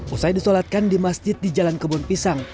usai disolatkan di masjid di jalan kebun pisang